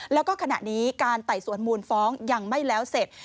แล้วก็ขณะนี้การไต่สวนมูลฟ้องยังไม่แล้วเสร็จ